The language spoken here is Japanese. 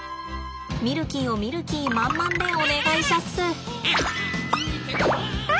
ミルキーを見る気満々でお願いしゃっす。